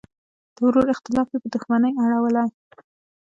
د ورور اختلاف یې په دوښمنۍ اړولی.